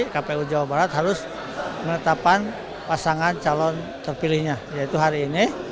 kpu jawa barat harus menetapkan pasangan calon terpilihnya yaitu hari ini